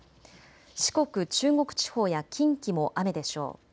四国、中国地方や近畿も雨でしょう。